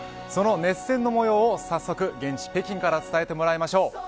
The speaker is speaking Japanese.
その熱戦の模様を早速現地北京から伝えてもらいましょう。